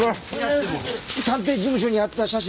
探偵事務所にあった写真